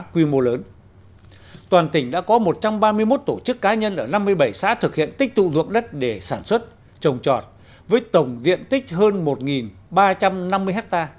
toàn tỉnh đã có một trăm ba mươi một tổ chức cá nhân ở năm mươi bảy xã thực hiện tích tụ ruộng đất để sản xuất trồng trọt với tổng diện tích hơn một ba trăm năm mươi ha